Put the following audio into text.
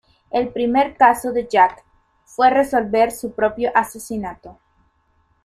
El primer caso de Jack fue resolver su propio asesinato.